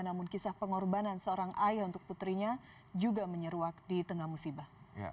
namun kisah pengorbanan seorang ayah untuk putrinya juga menyeruak di tengah musibah